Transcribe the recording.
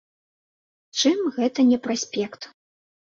Чым гэта не праспект?